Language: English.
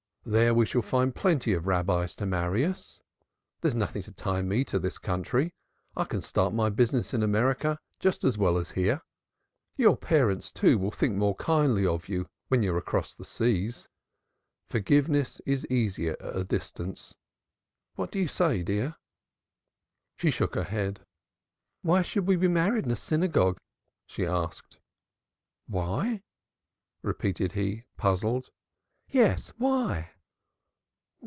There we shall find plenty of Rabbis to marry us. There is nothing to tie me to this country. I can start my business in America just as well as here. Your parents, too, will think more kindly of you when you are across the seas. Forgiveness is easier at a distance. What do you say, dear?" She shook her head. "Why should we be married in a synagogue?" she asked. "Why?" repeated he, puzzled. "Yes, why?"